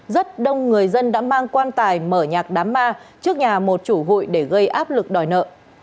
rất đông người dân đã mang quan tài mở nhạc đám ma trước nhà một chủ hụi để gây áp lực đòi nợ